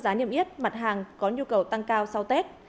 giá niêm yết mặt hàng có nhu cầu tăng cao sau tết